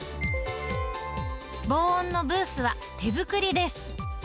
防音のブースは手作りです。